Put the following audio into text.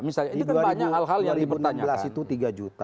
misalnya ini kan banyak hal hal yang dipertanyakan